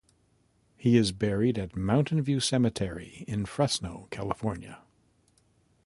He is buried at Mountain View Cemetery in Fresno, California.